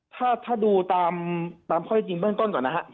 ถ้าดูตามที่คล้ายจริงบั้นก้นก่อนนะครับ